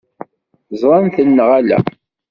Ẓṛant-ten neɣ ala?